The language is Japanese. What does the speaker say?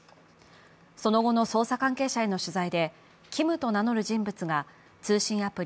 その後の捜査関係者への取材で、Ｋｉｍと名乗る人物が通信アプリ